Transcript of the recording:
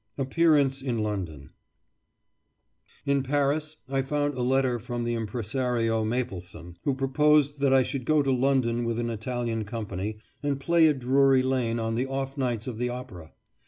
APPEARANCE IN LONDON In Paris I found a letter from the Impresario Mapleson, who proposed that I should go to London with an Italian company, and play at Drury Lane on the off nights of the opera.